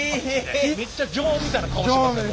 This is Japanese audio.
めっちゃ常温みたいな顔してますやん。